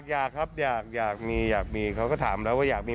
อยากครับอยากมีอยากมีเขาก็ถามแล้วว่าอยากมี